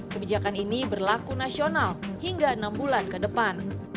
kebijakan ini berlaku nasional hingga enam bulan ke depan